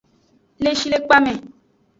Le shilekpa me.